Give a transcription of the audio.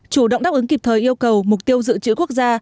chủ động đáp ứng kịp thời yêu cầu mục tiêu dự trữ quốc gia